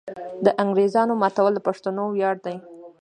د انګریزامو ماتول د پښتنو ویاړ دی.